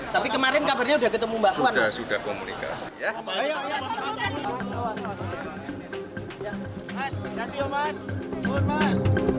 di pdi perjuangan